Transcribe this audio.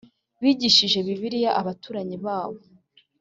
bigishije Bibiliya abaturanyi babo